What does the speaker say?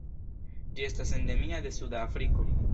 Ĝi estas endemia de suda Afriko.